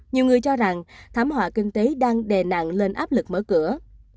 nhiều người cho rằng thảm họa kinh tế đang đè nặng lên áp lực mở cửa